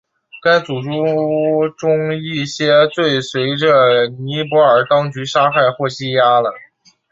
该组织中一些最随着被尼泊尔当局杀害或羁押了。